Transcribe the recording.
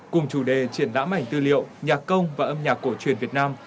cùng chủ đề triển lãm ảnh tư liệu nhạc công và âm nhạc cổ truyền việt nam